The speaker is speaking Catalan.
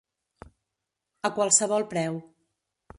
A qualsevol preu.